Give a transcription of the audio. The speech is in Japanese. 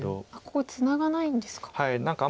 ここツナがないんですか。